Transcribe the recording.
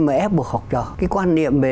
mà ép buộc học trò cái quan niệm về